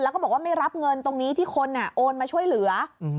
แล้วก็บอกว่าไม่รับเงินตรงนี้ที่คนโอนมาช่วยเหลือ